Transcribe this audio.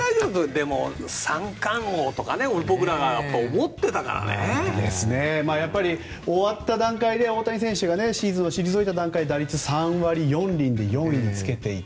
でも、三冠王とかやはり終わった段階では大谷選手がシーズンを退いた段階で打率３割４厘で４位につけていた。